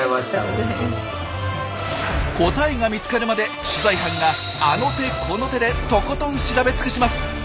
答えが見つかるまで取材班があの手この手でとことん調べつくします。